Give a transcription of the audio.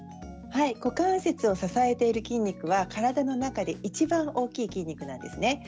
股関節を支えている筋肉は体の中でいちばん大きい筋肉なんですね。